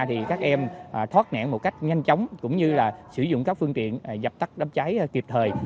thì các em thoát nạn một cách nhanh chóng cũng như là sử dụng các phương tiện dập tắt đắp cháy kịp thời